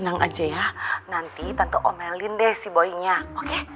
nanti tante omelin deh si boy nya oke